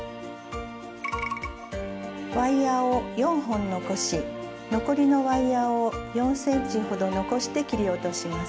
ワイヤーを４本残し残りのワイヤーを４ｃｍほど残して切り落とします。